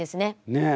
ねえ。